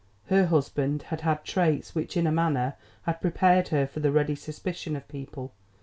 Her husband had had traits which, in a manner, had prepared her for the ready suspicion of people.